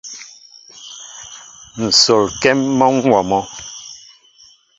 Nsol ŋkém mɔnwóó mɔ.